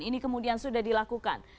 ini kemudian sudah dilakukan